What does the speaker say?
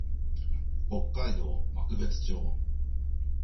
北海道幕別町